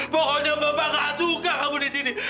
pokoknya bapak tidak suka kamu disini